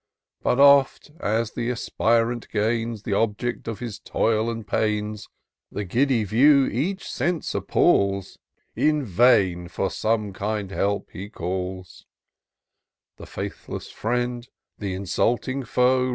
But oft, as the aspirant gains The object of his toil and pains, The giddy view each sense appals — In vain for some kind help he calls ; The faithless friend, th' insulting foe.